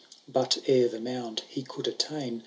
Conio III, But ere the mound he could attain.